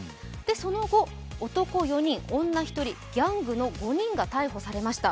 その後、男４人、女１人、ギャングの５人が逮捕されました。